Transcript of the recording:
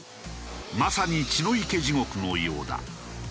まさに血の池地獄のようだ。